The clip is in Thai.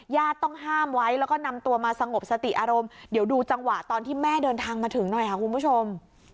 ต้องห้ามไว้แล้วก็นำตัวมาสงบสติอารมณ์เดี๋ยวดูจังหวะตอนที่แม่เดินทางมาถึงหน่อยค่ะคุณผู้ชม